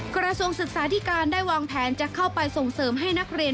กระทรวงศึกษาธิการได้วางแผนจะเข้าไปส่งเสริมให้นักเรียน